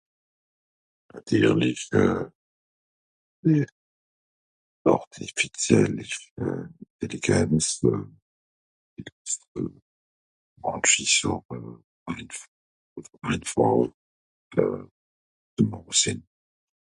nàtirlich euh (àrtifizielle ìntelligenz) ìsch sàche einfàch einfàch ... euh zu màche sìn